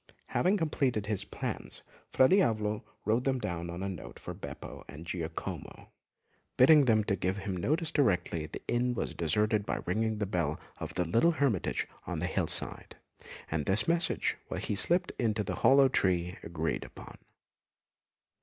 Having completed his plans, Fra Diavolo wrote them down on a note for Beppo and Giacomo, bidding them to give him notice directly the inn was deserted by ringing the bell of a little hermitage on the hillside; and this message he slipped into the hollow tree agreed upon.